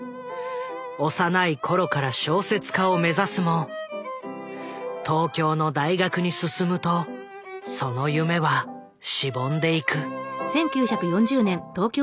幼い頃から小説家を目指すも東京の大学に進むとその夢はしぼんでいく。